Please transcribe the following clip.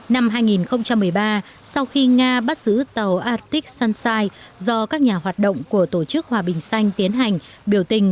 năm hai nghìn một mươi ba sau khi nga bắt giữ tàu atic sunshine do các nhà hoạt động của tổ chức hòa bình xanh tiến hành biểu tình